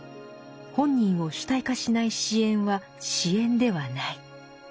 本人を主体化しない支援は支援ではない。